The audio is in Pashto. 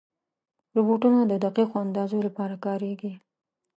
روبوټونه د دقیقو اندازو لپاره کارېږي.